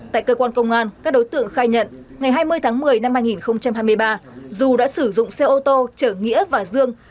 tại cơ quan công an các đối tượng khai nhận ngày hai mươi tháng một mươi năm hai nghìn hai mươi ba du đã sử dụng xe ô tô chở nghĩa và dương